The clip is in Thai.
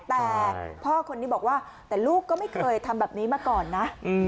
แต่พ่อคนนี้บอกว่าแต่ลูกก็ไม่เคยทำแบบนี้มาก่อนนะ